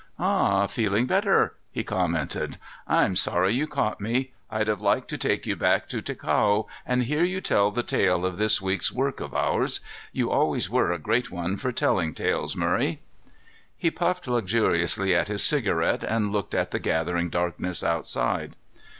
"Ah, feeling better," he commented. "I'm sorry you caught me. I'd have liked to take you back to Ticao and hear you tell the tale of this week's work of ours. You always were a great one for telling tales, Murray." He puffed luxuriously at his cigarette and looked at the gathering darkness outside.